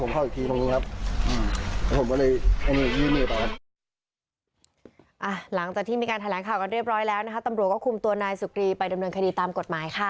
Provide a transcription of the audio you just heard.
หลังจากที่มีการแถลงข่าวกันเรียบร้อยแล้วนะคะตำรวจก็คุมตัวนายสุกรีไปดำเนินคดีตามกฎหมายค่ะ